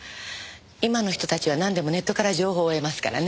今の人たちはなんでもネットから情報を得ますからね。